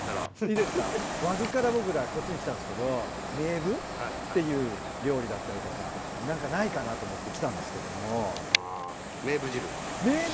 和具から僕らこっちに来たんですけどメーブっていう料理だったりとか何かないかなと思って来たんですけども。